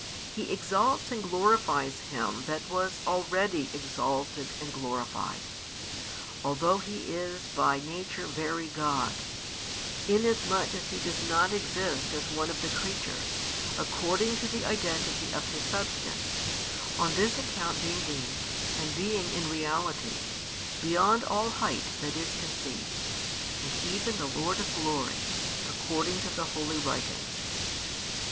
He exalts and glorifies Him that was already exalted and glorified; although He is by nature very God; inasmuch as He does not exist as one of the creatures, according to the identity of His Substance, on this account being deemed, and being in reality, beyond all height that is conceived, and even the Lord of Glory, according to the holy writings.